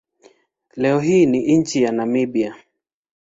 Leo hii ni nchi ya Namibia.